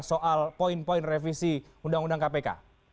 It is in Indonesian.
soal poin poin revisi undang undang kpk